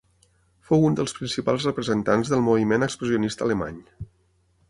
Fou un dels principals representants del moviment expressionista alemany.